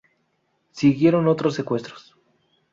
Siguieron otros secuestros.